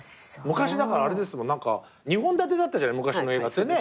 昔あれですもん２本立てだったじゃない昔の映画ってね。